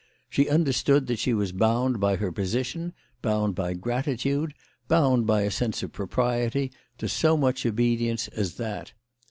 She understood that she was bound by her position, bound by gratitude, bound by a sense of propriety, to so much obedience as that.